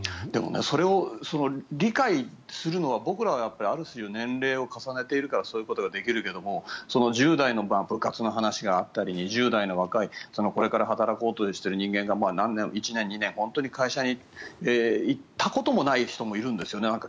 でも、それを理解するのは僕らはある種、年齢を重ねているからそういうことができるけど１０代の部活の話があったり２０代の若いこれから働こうとしている人間が１年２年、本当に会社に行ったこともない人もいるんですよね。